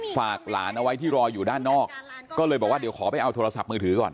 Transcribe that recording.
ฝากหลานเอาไว้ที่รออยู่ด้านนอกก็เลยบอกว่าเดี๋ยวขอไปเอาโทรศัพท์มือถือก่อน